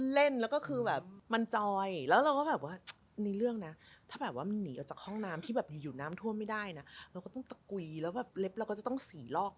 แล้วแบบแล้วแบบเล็บเราก็จะต้องสีลอก